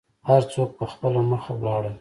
هر څوک په خپله مخه ولاړل.